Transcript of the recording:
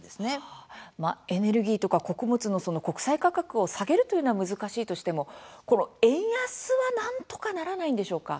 エネルギーとか穀物の国際価格を下げるというのは難しいとしても、この円安はなんとかならないのでしょうか。